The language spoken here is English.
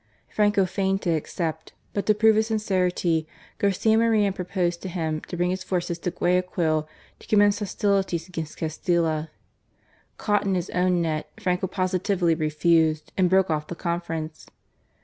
Franco feigned to accept, but to prove his sincerity Garcia Moreno proposed THE DRAMA OF RIOBAMBA, 83 to him to bring his forces to Guayaquil to commence hostilities against Castilla. Caught in his own net. Franco positivdy refused and broke off the con ference.